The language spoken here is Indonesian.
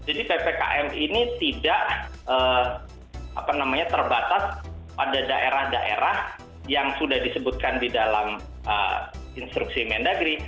jadi ppkm ini tidak terbatas pada daerah daerah yang sudah disebutkan di dalam instruksi mendagri